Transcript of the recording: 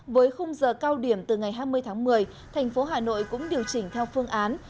với khung giờ cao điểm từ ngày hai mươi tháng một mươi thành phố hà nội cũng điều chỉnh theo phương án